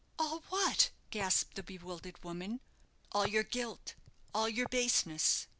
"All what?" gasped the bewildered woman. "All your guilt all your baseness.